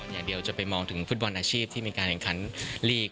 อย่างเดียวจะไปมองถึงฟุตบอลอาชีพที่มีการแข่งขันลีก